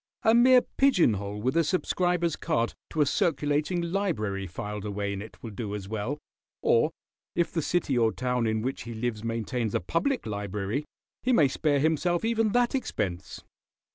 A mere pigeon hole with a subscriber's card to a circulating library filed away in it will do as well, or if the city or town in which he lives maintains a public library he may spare himself even that expense."